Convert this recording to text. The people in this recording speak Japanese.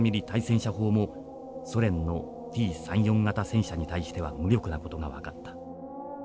車砲もソ連のＴ３４型戦車に対しては無力な事が分かった。